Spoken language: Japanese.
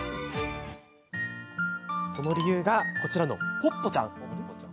その理由がこちらのポッポちゃん。